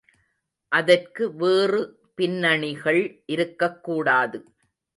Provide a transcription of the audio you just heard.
அதற்கு வேறு பின்னணிகள் இருக்கக்கூடாது.